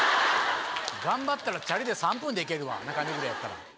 頑張ったらチャリで３分で行けるわ中目黒やったら。